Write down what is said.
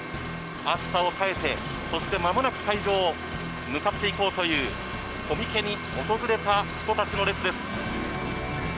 暑さを耐えてそしてまもなく会場に向かっていこうというコミケに訪れた人たちの列です。